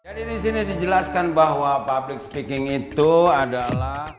jadi disini dijelaskan bahwa public speaking itu adalah